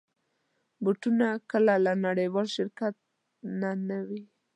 بوټونه کله له نړېوال شرکت نه وي.